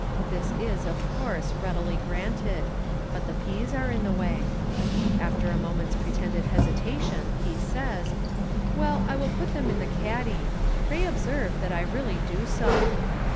This is, of course, readily granted, but the peas are in the way. After a moment's pretended hesitation, he says, " Well, I will put them in the caddy. Pray observe that I really do so."